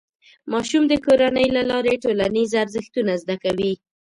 ماشوم د کورنۍ له لارې ټولنیز ارزښتونه زده کوي.